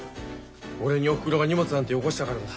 俺におふくろが荷物なんてよこしたからです。